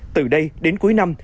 từ đây đến cuối năm